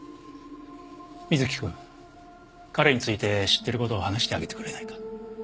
ミズキ君彼について知ってることを話してあげてくれないか？